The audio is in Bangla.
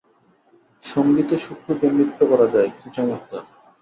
সঙ্গীতে শত্রুকে মিত্র করা যায়, কি চমৎকার!